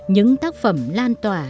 những tác phẩm lan tỏa